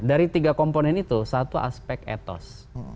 dari tiga komponen itu satu aspek etos